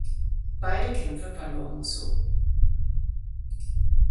Beide Kämpfe verlor Musso.